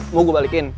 mau gue balikin